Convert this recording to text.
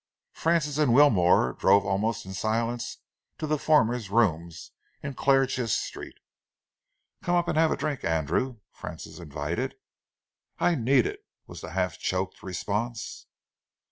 Francis and Wilmore drove almost in silence to the former's rooms in Clarges Street. "Come up and have a drink, Andrew," Francis invited. "I need it," was the half choked response.